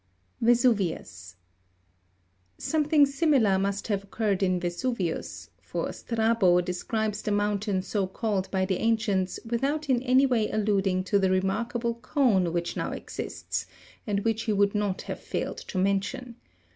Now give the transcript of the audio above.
Vesuvius. Something similar must have occurred in Vesuvius, for Strabo describes the mountain so called by the ancients without in any way allud ing to the remarkable cone which now exists (fig. 185), and which he would not have failed to mention.